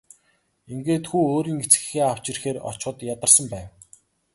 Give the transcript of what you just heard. Ингээд хүү өөрийн эцэг эхээ авч ирэхээр очиход ядарсан байв.